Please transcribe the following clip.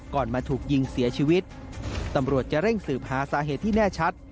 มาถูกยิงเสียชีวิตตำรวจจะเร่งสืบหาสาเหตุที่แน่ชัด